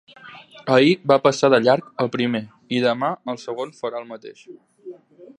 Ahir va passar de llarg el primer i demà el segon farà el mateix.